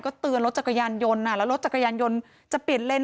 เตือนรถจักรยานยนต์แล้วรถจักรยานยนต์จะเปลี่ยนเลน